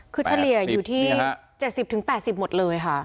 คือเฉลี่ยอยู่ที่๗๐๘๐หมดเลยค่ะ